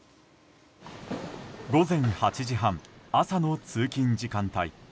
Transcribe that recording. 午前８時半、朝の通勤時間帯。